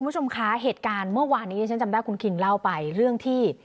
คุณผู้ชมคะเหตุการณ์เมื่อวานนี้ที่ฉันจำได้คุณคิงเล่าไปเรื่องที่